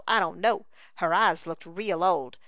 I don't know. Her eyes looked real old.